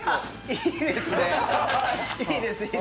いいですね！